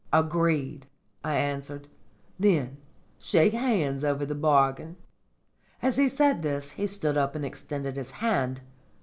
"Agreed!" I answered. "Then shake hands over the bargain." As he said this he stood up and extended his hand.